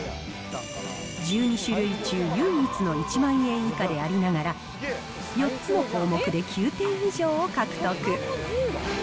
１２種類中、唯一の１万円以下でありながら、４つの項目で９点以上を獲得。